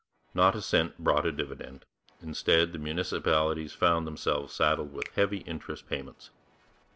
Not a cent brought a dividend; instead, the municipalities found themselves saddled with heavy interest payments.